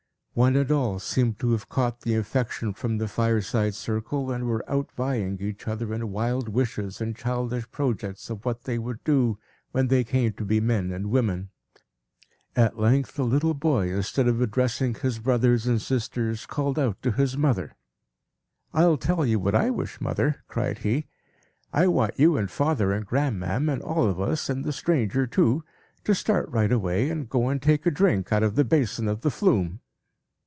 One and all seemed to have caught the infection from the fireside circle, and were outvying each other in wild wishes and childish projects of what they would do when they came to be men and women. At length, a little boy, instead of addressing his brothers and sisters, called out to his mother. "I'll tell you what I wish, mother," cried he. "I want you and father and grandma'm, and all of us, and the stranger too, to start right away, and go and take a drink out of the basin of the Flume!"